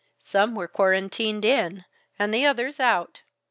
Some were quarantined in, and the others out.